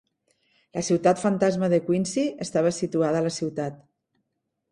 La ciutat fantasma de Quincy estava situada a la ciutat.